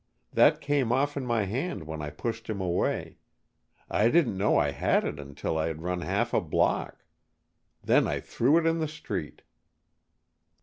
That came off in my hand when I pushed him away. I didn't know I had it until I had run half a block. Then I threw it in the street."